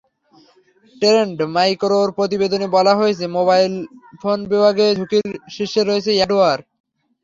Trend মাইক্রোর প্রতিবেদনে বলা হয়েছে, মোবাইল ফোন বিভাগে ঝুঁকির শীর্ষে রয়েছে অ্যাডওয়্যার।